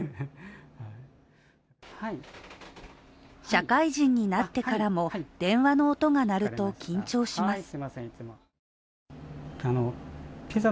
社会人になってからも電話の音が鳴ると緊張します。